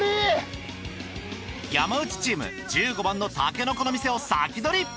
山内チーム１５番のタケノコの店を先取り！